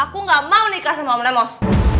aku gak mau nikah sama om lemos